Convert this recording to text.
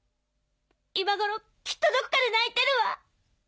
今頃きっとどこかで泣いてるわ。